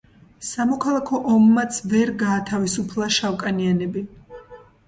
სამოქალაქო ომმაც ვერ გაათავისუფლა შავკანიანები.